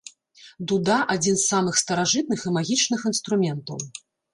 Дуда адзін з самых старажытных і магічных інструментаў.